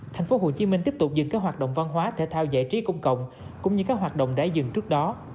thành phố hồ chí minh tiếp tục dừng các hoạt động văn hóa thể thao giải trí công cộng cũng như các hoạt động đã dừng trước đó